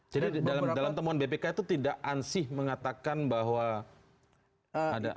jadi dalam temuan bpk itu tidak ansih mengatakan bahwa ada